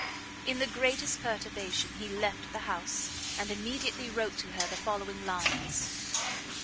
In the greatest perturbation he left the house, and immediately wrote to her the following lines.